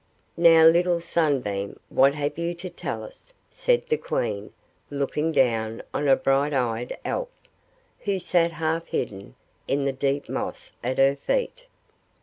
"Now, little Sunbeam, what have you to tell us?" said the Queen, looking down on a bright eyed Elf, who sat half hidden in the deep moss at her feet.